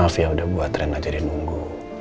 maaf ya udah gue tren aja di nunggu